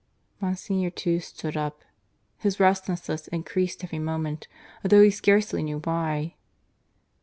Monsignor too stood up. His restlessness increased every moment, although he scarcely knew why.